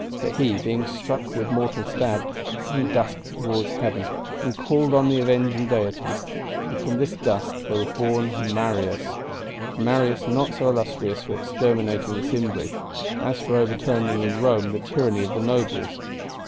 But he, being struck with the mortal stab, flung dust towards heaven, and called on the Avenging Deities; and from this dust there was born Marius,—Marius not so illustrious for exterminating the Cimbri, as for overturning in Rome the tyranny of the Nobles."